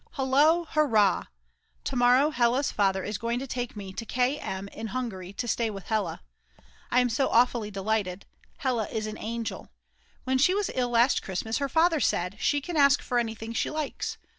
Hullo, Hurrah! To morrow Hella's father is going to take me to K M in Hungary to stay with Hella. I am so awfully delighted. Hella is an angel. When she was ill last Christmas her father said: She can ask for anything she likes.